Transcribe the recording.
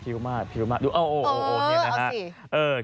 พริ้วมากพริ้วมากดูเอาเอาเอาเอาเอาสิเออ